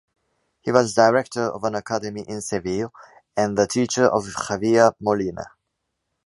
He was director of an academy in Seville and the teacher of Javier Molina.